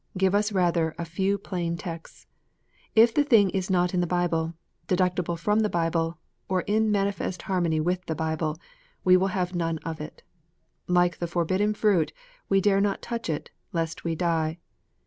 Give us rather a few plain texts. If the thing is not in the Bible, deducible from the Bible, or in manifest harmony with the Bible, we will have none of it. Like the forbidden fruit, we dare not touch it, lest we die.